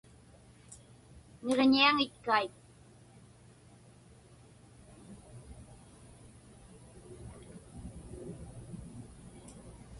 Niġiñiaŋitkaik.